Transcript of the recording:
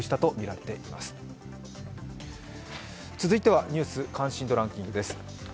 続いてはニュース関心度ランキングです。